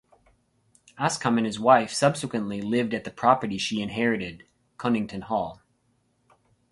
Askham and his wife subsequently lived at the property she inherited, Conington Hall.